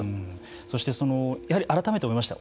そしてやはり改めて思いました。